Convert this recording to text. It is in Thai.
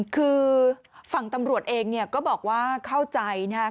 คือฝั่งตำรวจเองเนี่ยก็บอกว่าเข้าใจนะครับ